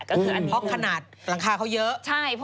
เพราะขนาดหลังคาของเขาเยอะ